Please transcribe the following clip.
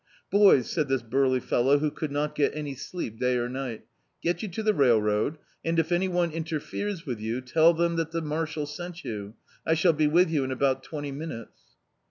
"Boys," said this burly fellow, who could not get any sleep day or night, "get you to the railroad, and if any one interferes with you, tell them that the marshal sent you; I shall be with you in about twenty minutes."